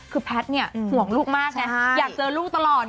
คือแพทย์ห่วงเลยลูกมาก